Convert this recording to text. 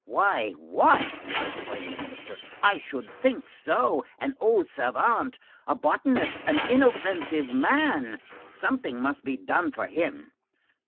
—"Why, what!" exclaimed the Minister, "I should think so! An old savant! a botanist! an inoffensive man! Something must be done for him!"